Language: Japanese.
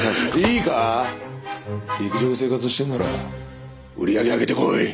いいか陸上で生活してえんなら売り上げ上げてこい！